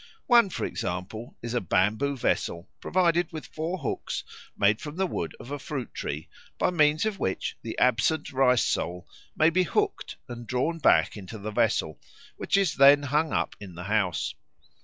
One, for example, is a bamboo vessel provided with four hooks made from the wood of a fruit tree, by means of which the absent rice soul may be hooked and drawn back into the vessel, which is then hung up in the house.